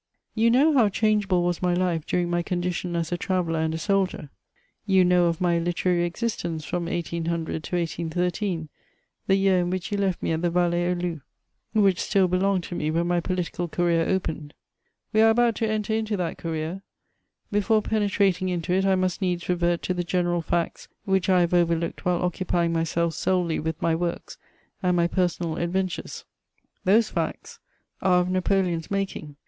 You know how changeable was my life during my condition as a traveller and a soldier; you know of my literary existence from 1800 to 1813, the year in which you left me at the Vallée aux Loups, which still belonged to me when my political career opened. We are about to enter into that career: before penetrating into it, I must needs revert to the general facts which I have overlooked while occupying myself solely with my works and my personal adventures. Those facts are of Napoleon's making.